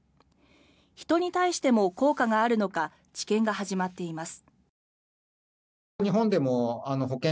人に対しても効果があるのか治験が始まっています。